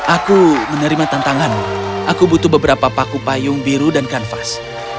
aku menerima tantanganmu aku butuh beberapa paku payung biru dan kanvas